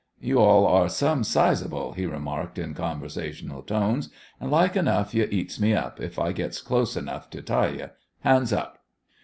"You all are some sizable," he remarked, in conversational tones, "an' like enough you eats me up, if I gets clost enough to tie you. Hands up!"